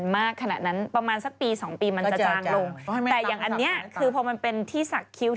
มันไม่หลุดง่าย